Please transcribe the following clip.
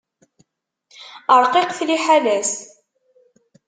Ṛqiqet liḥala-s.